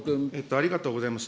ありがとうございます。